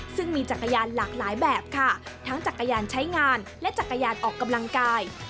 ซึ่งมีจักรยานหลากหลายแบบค่ะทั้งจักรยานใช้งานและจักรยานออกกำลังกาย